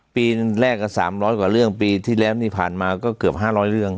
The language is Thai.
ปีแรกก็๓๐๐กว่าเรื่องปีที่แล้วนี่ผ่านมาก็เกือบ๕๐๐เรื่อง